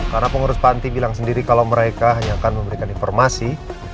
karena pengurus panti bilang sendiri kalau mereka hanya akan memberikan informasi